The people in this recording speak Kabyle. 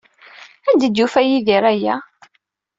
Anda ay d-yufa Yidir aya?